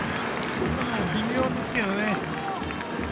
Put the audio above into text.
微妙ですけどね。